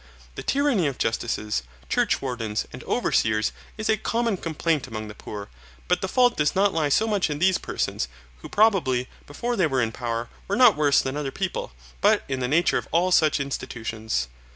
The tyranny of Justices, Church wardens, and Overseers, is a common complaint among the poor, but the fault does not lie so much in these persons, who probably, before they were in power, were not worse than other people, but in the nature of all such institutions.